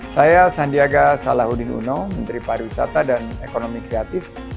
saya sandiaga salahuddin uno menteri pariwisata dan ekonomi kreatif